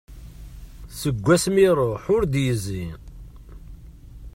Seg wasmi i iruḥ ur d-yezzi.